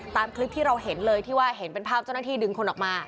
ตามคลิปที่เราเห็นเลยที่ว่าเห็นเป็นภาพเจ้าหน้าที่ดึงคนออกมา